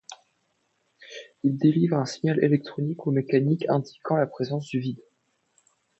Il délivre un signal électronique ou mécanique indiquant la présence du vide.